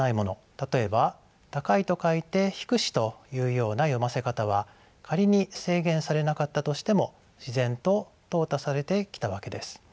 例えば「高」と書いて「ひくし」というような読ませ方は仮に制限されなかったとしても自然ととう汰されてきたわけです。